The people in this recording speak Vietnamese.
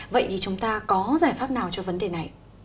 vậy thì chúng ta có giải pháp nào cho vấn đề này